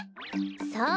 そう。